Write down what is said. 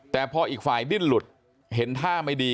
แต่พออีกฝ่ายดิ้นหลุดเห็นท่าไม่ดี